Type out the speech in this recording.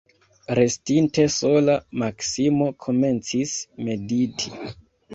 Restinte sola, Maksimo komencis mediti.